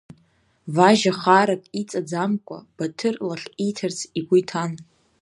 Важьа, хаарак иҵаӡамкәа, Баҭыр лахь ииҭарц игәы иҭан.